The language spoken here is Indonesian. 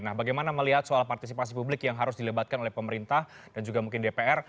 nah bagaimana melihat soal partisipasi publik yang harus dilebatkan oleh pemerintah dan juga mungkin dpr